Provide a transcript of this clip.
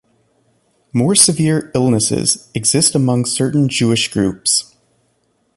More severe illnesses exist among certain Jewish groups.